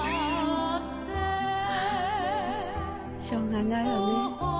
ハァしょうがないわねぇ。